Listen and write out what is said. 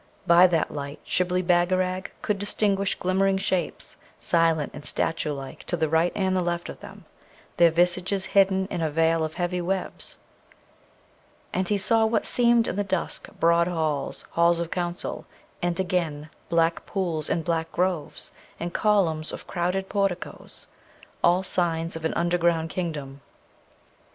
By that light Shibli Bagarag could distinguish glimmering shapes, silent and statue like, to the right and the left of them, their visages hidden in a veil of heavy webs; and he saw what seemed in the dusk broad halls, halls of council, and again black pools and black groves, and columns of crowded porticoes, all signs of an underground kingdom.